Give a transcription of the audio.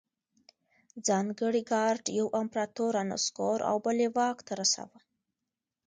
ځانګړي ګارډ یو امپرتور رانسکور او بل یې واک ته رساوه